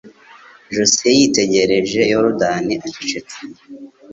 Jessie yitegereje Yorodani acecetse.